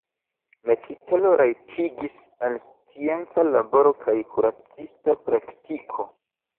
La titolo rajtigis al scienca laboro kaj kuracista praktiko.